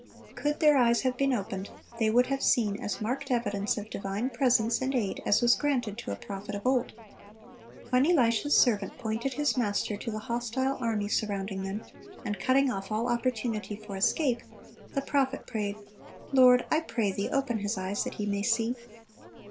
Could their eyes have been opened, they would have seen as marked evidence of divine presence and aid as was granted to a prophet of old. When Elisha's servant pointed his master to the hostile army surrounding them, and cutting off all opportunity for escape, the prophet prayed, "Lord, I pray Thee, open his eyes, that he may see."